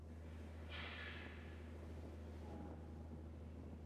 Toto vše představuje závažné nedostatky v této smlouvě.